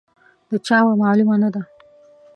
د چا وه، معلومه نه ده.